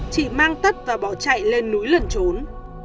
chị mang tất và bỏ chạy lên núi lẩn trốn